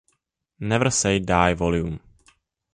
Never Say Die Vol.